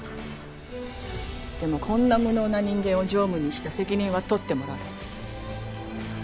でもこんな無能な人間を常務にした責任は取ってもらわないと。